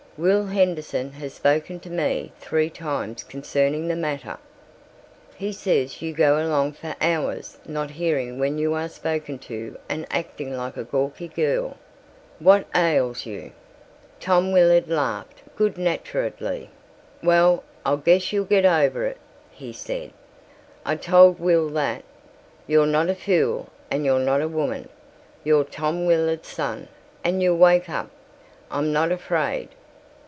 "Will Henderson has spoken to me three times concerning the matter. He says you go along for hours not hearing when you are spoken to and acting like a gawky girl. What ails you?" Tom Willard laughed good naturedly. "Well, I guess you'll get over it," he said. "I told Will that. You're not a fool and you're not a woman. You're Tom Willard's son and you'll wake up. I'm not afraid.